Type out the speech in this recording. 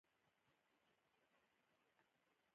په قاچاقي لارو آروپایي هېودونو ته مه ځئ!